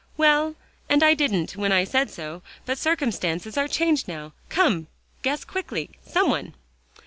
"Well, and I didn't when I said so, but circumstances are changed now come, guess quickly, some one?"